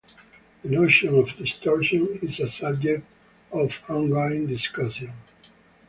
The notion of "distortion" is a subject of on-going discussion.